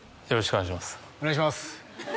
お願いします